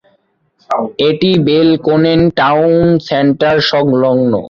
এটি Belconnen town centre সংলগ্ন।